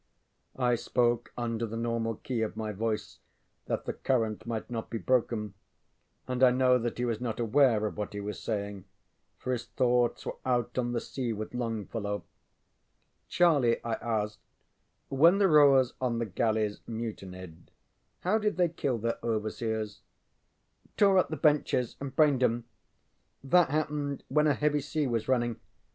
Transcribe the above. I spoke under the normal key of my voice that the current might not be broken, and I know that he was not aware of what he was saying, for his thoughts were out on the sea with Longfellow. ŌĆ£Charlie, ŌĆØ I asked, ŌĆ£when the rowers on the galleys mutinied how did they kill their overseers? ŌĆØ ŌĆ£Tore up the benches and brained ŌĆśem. That happened when a heavy sea was running.